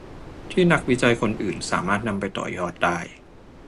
ที่นักวิจัยคนอื่นสามารถนำไปต่อยอดได้